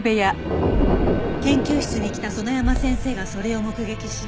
研究室に来た園山先生がそれを目撃し。